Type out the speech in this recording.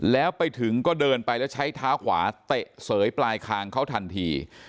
แล้วไปถึงก็เดินไปแล้วใช้เท้าขวาเตะเสยปลายคางเขาทันที